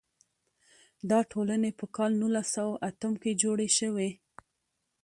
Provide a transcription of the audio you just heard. دا ټولنې په کال نولس سوه اتم کې جوړې شوې.